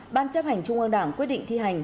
ban chấp hành trung ương đảng quyết định thi hành